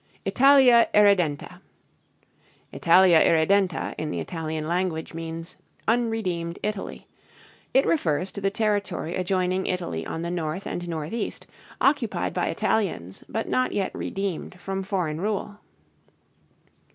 ITALIA IRREDENTA. Italia Irreden´ta in the Italian language means "unredeemed Italy." It refers to the territory adjoining Italy on the north and northeast, occupied by Italians but not yet redeemed from foreign rule.